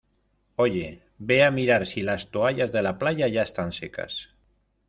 Oye, ve a mirar si las toallas de la playa ya están secas.